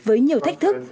với nhiều thách thức